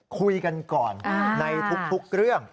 คุยกันก่อนในทุกเรื่อง